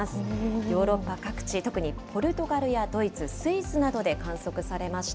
ヨーロッパ各地、特にポルトガルやドイツ、スイスなどで観測されました。